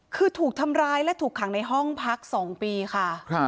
คือถูกทำร้ายและถูกขังในห้องพัก๒ปีค่ะ